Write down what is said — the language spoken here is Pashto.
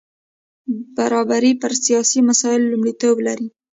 برابري پر سیاسي مسایلو لومړیتوب لري.